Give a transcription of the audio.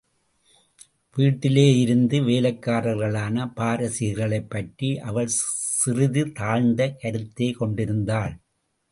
வீட்டிலேயிருந்த வேலைக்காரர்களான பாரசீகர்களைப் பற்றி அவள் சிறிது தாழ்ந்த கருத்தே கொண்டிருந்தாள்.